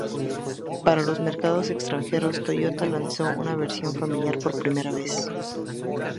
Para los mercados extranjeros, Toyota lanzó una versión familiar por primera vez.